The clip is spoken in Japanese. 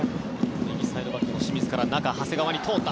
右サイドバックの清水から中、長谷川に通った。